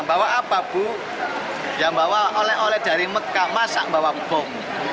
bahwa apa bu yang bawa oleh oleh dari mekah masak bawang bok